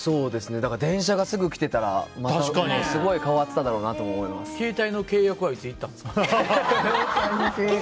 電車がすぐ来てたらすごい変わってただろうなと携帯の契約はいつ行ったんですか。